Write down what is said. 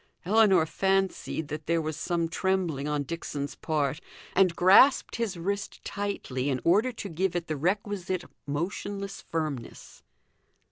Ellinor fancied that there was some trembling on Dixon's part, and grasped his wrist tightly in order to give it the requisite motionless firmness.